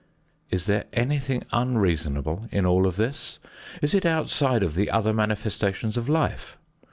Is there anything unreasonable in all of this? Is it outside of the other manifestations of life?